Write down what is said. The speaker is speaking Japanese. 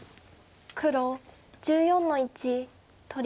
黒１４の一取り。